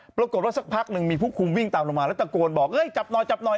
สักพักหนึ่งมีผู้คุมวิ่งตามลงมาแล้วตะโกนบอกเฮ้ยจับหน่อยจับหน่อย